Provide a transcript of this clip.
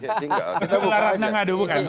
setelah ratna mengadu bukan